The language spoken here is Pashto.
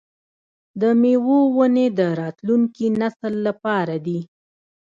د میوو ونې د راتلونکي نسل لپاره دي.